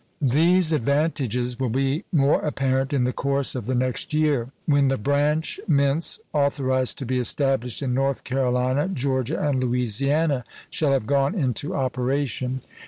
These advantages will be more apparent in the course of the next year, when the branch mints authorized to be established in North Carolina, Georgia, and Louisiana shall have gone into operation.